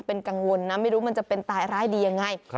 เป็นกังวลนะไม่รู้มันจะเป็นตายร้ายดียังไง